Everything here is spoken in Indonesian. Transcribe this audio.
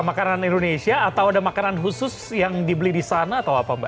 makanan indonesia atau ada makanan khusus yang dibeli di sana atau apa mbak